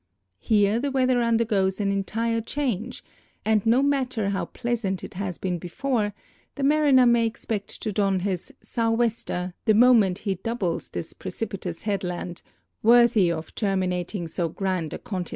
Here the weather undergoes an entire change, and no matter how pleasant it has been before, the mariner may ex pect to don his " sou'wester " the moment he doubles this pre cipitous headland, worthy of terminating so grand a continent.